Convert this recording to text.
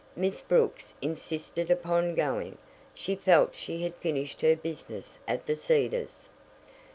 Miss Brooks insisted upon going. She felt she had finished her business at The Cedars.